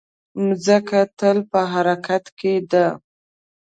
مځکه تل په حرکت کې ده.